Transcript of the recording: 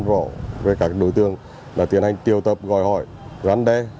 nhận rõ về các đối tượng tiến hành triều tập gọi hỏi gắn đe